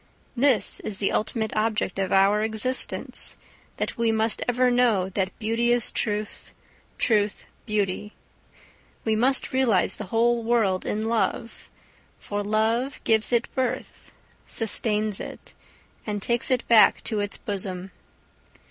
This is the ultimate object of our existence, that we must ever know that "beauty is truth, truth beauty"; we must realise the whole world in love, for love gives it birth, sustains it, and takes it back to its bosom.